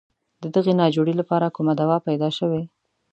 د دغې ناجوړې لپاره کومه دوا پیدا شوې.